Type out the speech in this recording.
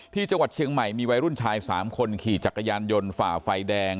ที่จังหวัดเชียงใหม่มีวัยรุ่นชาย๓คนขี่จักรยานยนต์ฝ่าไฟแดง